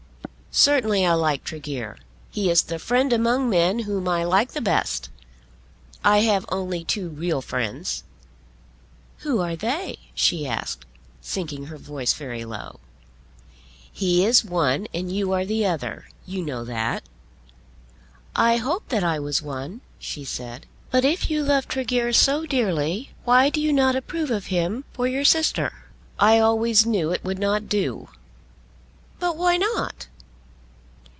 "Certainly I like Tregear. He is the friend, among men, whom I like the best. I have only two real friends." "Who are they?" she asked, sinking her voice very low. "He is one; and you are the other. You know that." "I hoped that I was one," she said. "But if you love Tregear so dearly, why do you not approve of him for your sister?" "I always knew it would not do." "But why not?"